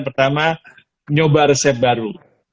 pertama nyoba resep baru